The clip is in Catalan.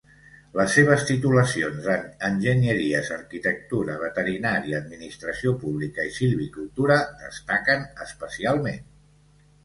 Les seves titulacions en enginyeries, arquitectura, veterinària, administració pública i silvicultura destaquen especialment.